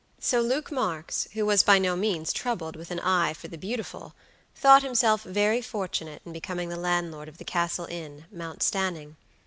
So Luke Marks, who was by no means troubled with an eye for the beautiful, thought himself very fortunate in becoming the landlord of the Castle Inn, Mount Stanning.